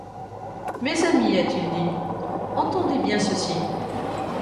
Mes amis, a-t-il dit, entendez bien ceci.